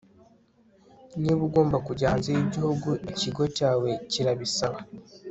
niba ugomba kujya hanze y'igihugu ikigo cyawe kirabisaba